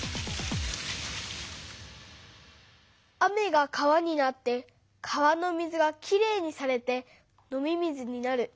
雨が川になって川の水がきれいにされて飲み水になる。